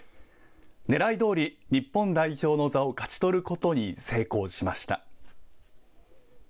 ねらいどおり日本代表の座を勝ち取ることに成功しました。